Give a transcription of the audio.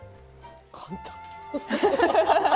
簡単。